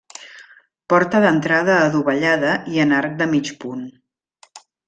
Porta d'entrada adovellada i en arc de mig punt.